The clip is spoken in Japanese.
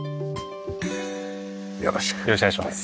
よろしくお願いします。